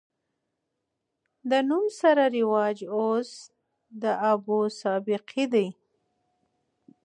د نوم سره رواج اوس د ابو د سابقې دے